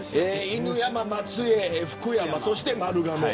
犬山、松江、福山そして丸亀。